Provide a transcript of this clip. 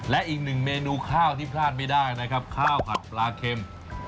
และอีกหนึ่งเมนูข้าวที่พลาดไม่ได้นะครับข้าวผัดปลาเข็ม